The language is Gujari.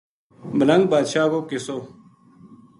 ملنگ بادشاہ کو قصو